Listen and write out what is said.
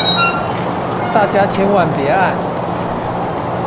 大家千萬別按